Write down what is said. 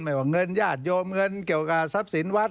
ว่าเงินญาติโยมเงินเกี่ยวกับทรัพย์สินวัด